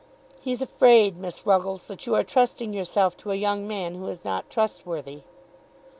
"He's afraid, Miss Ruggles, that you are trusting yourself to a young man who is not trustworthy."